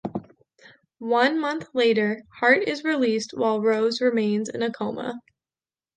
One month later, Hart is released while Rose remains in a coma.